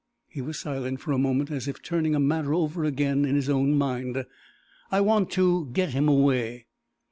He was silent for a moment, as if turning a matter over again in his own mind. "I want to get him away."